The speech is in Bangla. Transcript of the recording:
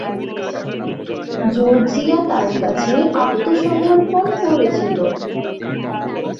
জর্জিয়া তার কাছে আত্মসমর্পণ করেছিল।